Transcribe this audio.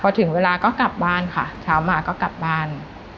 พอถึงเวลาก็กลับบ้านค่ะเช้ามาก็กลับบ้าน